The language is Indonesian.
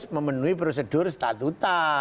harus memenuhi prosedur statuta